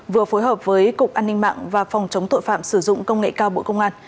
vừa phối hợp với cục an ninh mạng và phòng chống tội phạm sử dụng công nghệ cao bộ công an